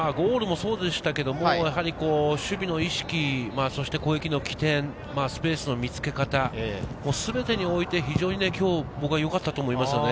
ゴールもそうでしたけど守備の意識、攻撃の起点、スペースの見つけ方、全てにおいて非常に今日、僕はよかったと思いますね。